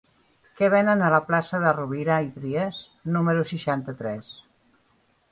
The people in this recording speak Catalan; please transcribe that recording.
Què venen a la plaça de Rovira i Trias número seixanta-tres?